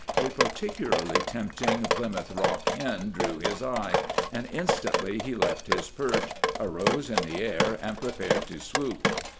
A particularly tempting Plymouth Rock hen drew his eye, and instantly he left his perch, arose in the air, and prepared to swoop.